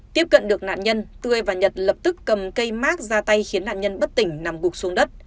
tiếp cận được nạn nhân tươi và nhật lập tức cầm cây mác ra tay khiến nạn nhân bất tỉnh nằm gục xuống đất